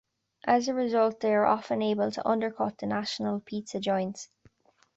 As a result, they are often able to undercut the national pizza giants.